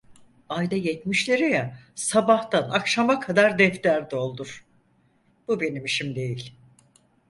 Ayda yetmiş liraya sabahtan akşama kadar defter doldur… Bu benim işim değil…